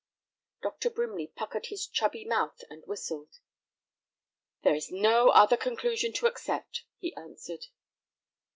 Dr. Brimley puckered his chubby mouth and whistled. "There is no other conclusion to accept," he answered.